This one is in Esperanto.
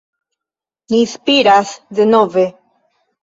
Ni spiras denove.